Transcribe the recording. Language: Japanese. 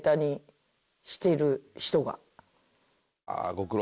「ご苦労」。